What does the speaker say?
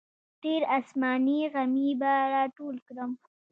ډېر اسماني غمي به راټول کړم.